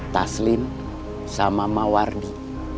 taslim sama mawardi